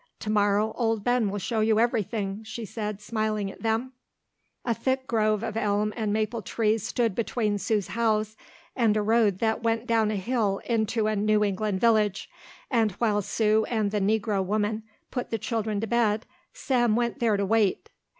To morrow old Ben will show you everything," she said, smiling at them. A thick grove of elm and maple trees stood between Sue's house and a road that went down a hill into a New England village, and while Sue and the Negro woman put the children to bed, Sam went there to wait.